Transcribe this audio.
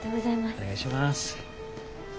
お願いします。